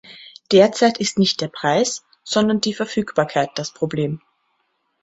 Derzeit ist nicht der Preis, sondern die Verfügbarkeit das Problem.